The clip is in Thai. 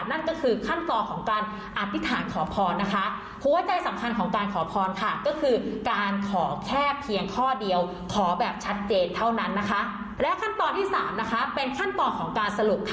นั่นก็คือขั้นต่อของการอธิษฐานขอพรนะคะ